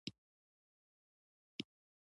نفت د افغانستان د جغرافیې بېلګه ده.